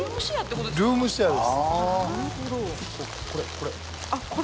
これこれ。